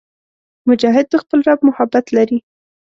مجاهد د خپل رب محبت لري.